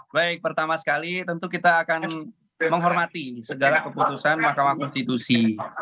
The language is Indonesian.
baik pertama sekali tentu kita akan menghormati segala keputusan mahkamah konstitusi